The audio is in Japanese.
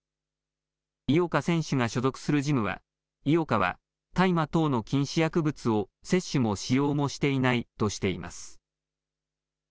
井岡選手が所属するジムは井岡は大麻等の禁止薬物を摂取も使用もしていないとしています。